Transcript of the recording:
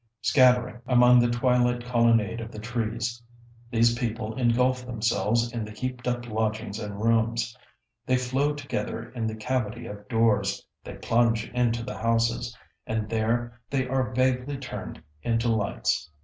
Scattering among the twilight colonnade of the trees, these people engulf themselves in the heaped up lodgings and rooms; they flow together in the cavity of doors; they plunge into the houses; and there they are vaguely turned into lights.